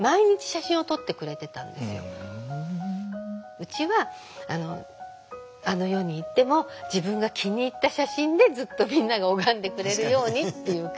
うちはあの世に行っても自分が気に入った写真でずっとみんなが拝んでくれるようにっていう感じで。